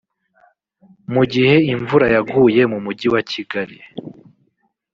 Mu gihe imvura yaguye mu mujyi wa Kigali